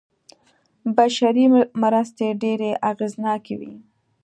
بشري مرستې ډېرې اغېزناکې وې.